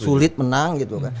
sulit menang gitu kan